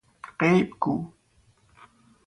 غیب گو